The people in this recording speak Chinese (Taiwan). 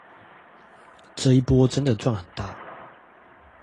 這一波真的賺很大